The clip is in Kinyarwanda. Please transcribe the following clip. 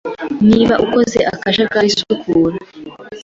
Niba ukoze akajagari, sukura.